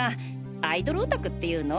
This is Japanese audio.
アイドルおたくっていうの？